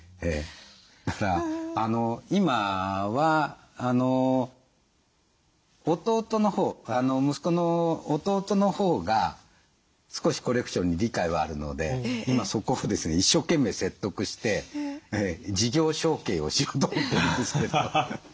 だから今は息子の弟のほうが少しコレクションに理解はあるので今そこをですね一生懸命説得して事業承継をしようと思ってるんですけど。